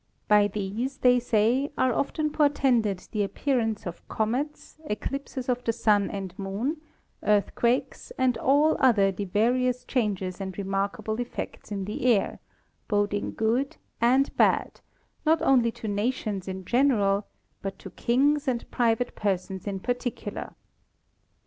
By these, they say, are often portended the appearance of Comets, Eclipses of the Sun and Moon, Earthquakes and all other the various Changes and remarkable effects in the Air, boding good and bad, not only to Nations in gen eral, but to Kings and Private Persons in particular.